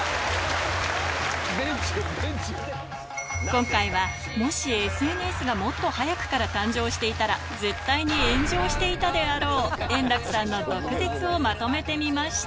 今回は、もしＳＮＳがもっと早くから誕生していたら、絶対に炎上していたであろう、円楽さんの毒舌をまとめてみまし